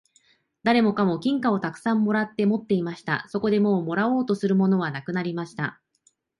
誰もかも金貨をたくさん貰って持っていました。そこでもう貰おうとするものはなくなりました。